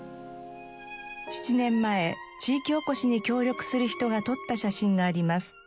７年前地域おこしに協力する人が撮った写真があります。